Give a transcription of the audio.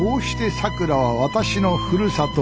さくらは私のふるさと